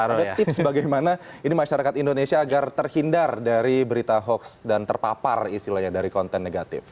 ada tips bagaimana ini masyarakat indonesia agar terhindar dari berita hoax dan terpapar istilahnya dari konten negatif